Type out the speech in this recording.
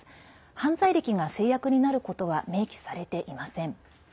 犯罪歴が制約になることは明記されていません。